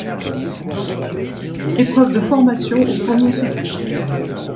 Épreuve de formation aux premiers secours.